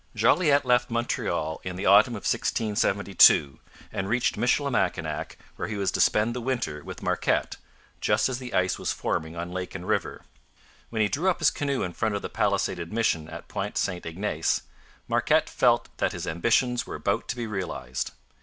Jolliet left Montreal in the autumn of 1672 and reached Michilimackinac, where he was to spend the winter with Marquette, just as the ice was forming on lake and river. When he drew up his canoe in front of the palisaded mission at Point St Ignace, Marquette felt that his ambitions were about to be realized.